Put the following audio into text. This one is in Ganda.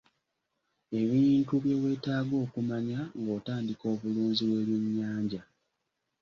Ebintu bye weetaaga okumanya ng'otandika obulunzi bw'ebyennyanja.